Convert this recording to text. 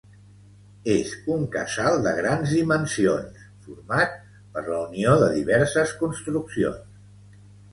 És un casal de grans dimensions, format per la unió de diverses construccions.